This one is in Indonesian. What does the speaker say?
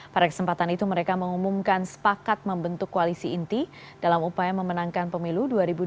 pada kesempatan itu mereka mengumumkan sepakat membentuk koalisi inti dalam upaya memenangkan pemilu dua ribu dua puluh